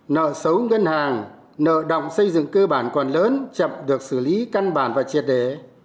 nợ xấu ngân hàng nợ động xây dựng cơ bản còn lớn chậm được xử lý căn bản và triệt để